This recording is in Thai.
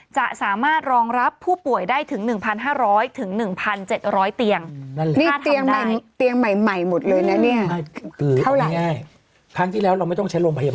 จะสามารถรองรับผู้ป่วยได้ถึง๑๕๐๐